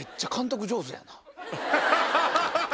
ハハハハハ！